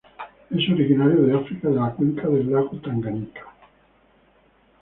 Es originario de África, de la cuenca del Lago Tanganica.